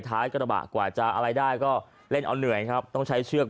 ท้ายกระบะกว่าจะอะไรได้ก็เล่นเอาเหนื่อยครับต้องใช้เชือก